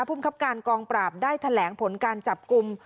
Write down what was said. ภูมิครับการกองปราบได้แถลงผลการจับกลุ่ม